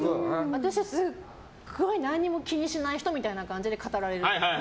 私はすごい何も気にしない人みたいに語られる。